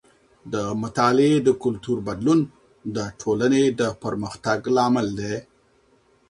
د مطالعې د کلتور بدلون د ټولنې د پرمختګ لامل دی.